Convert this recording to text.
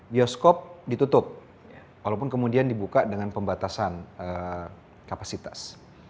bioskop ditutup walaupun kemudian dibuka dengan pembatasan kapasitas